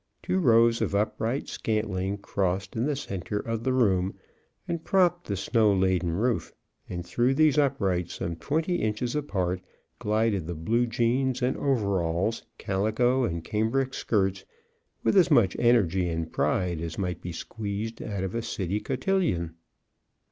Two rows of upright scantling crossed in the center of the room and propped the snow laden roof, and through these uprights, some twenty inches apart, glided the blue jeans and overalls, calico and cambric skirts, with as much energy and pride as might be squeezed out of a city cotillion.